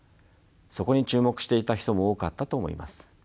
そこに注目していた人も多かったと思います。